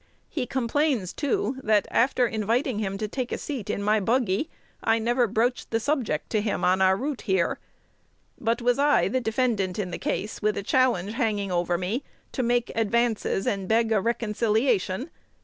He complains, too, that, after inviting him to take a seat in my buggy, I never broached the subject to him on our route here. But was I, the defendant in the case, with a challenge hanging over me, to make advances, and beg a reconciliation?